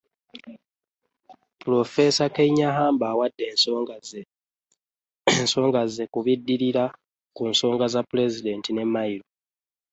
Pulofeesa Kanyeihamba awadde ensonga ze ku binaddirira ku nsonga za pulezidenti ne mayiro.